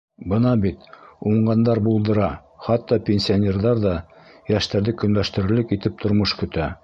Бына бит: уңғандар булдыра, хатта пенсионерҙар ҙа йәштәрҙе көнләштерерлек итеп тормош көтә.